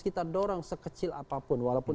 kita dorong sekecil apapun walaupun